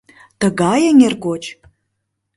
— Тыгай эҥер гоч!